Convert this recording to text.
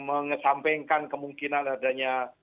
mengesampingkan kemungkinan adanya